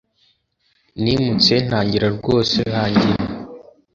nimutse ntangira rwose hangin '